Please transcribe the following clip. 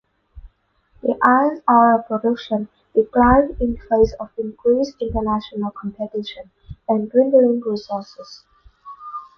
The iron ore production declined in face of increased international competition and dwindling resources.